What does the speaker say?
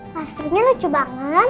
plasternya lucu banget